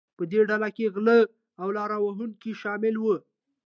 په دې ډله کې غلۀ او لاره وهونکي شامل وو.